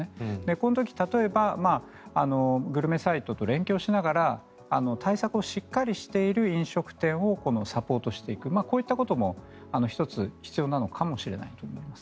この時、例えばグルメサイトと連携をしながら対策をしっかりしている飲食店をサポートしていくこういったことも１つ必要なのかもしれないと思います。